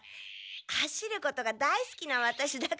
走ることが大すきなワタシだから。